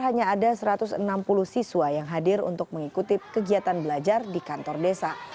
hanya ada satu ratus enam puluh siswa yang hadir untuk mengikuti kegiatan belajar di kantor desa